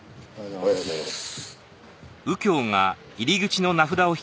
おはようございます。